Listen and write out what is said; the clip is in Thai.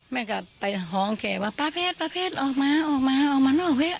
แม่ก็ไปหองแกว่าป้าเพชรป้าเพชรออกมาออกมาออกมาเนาะเว้ย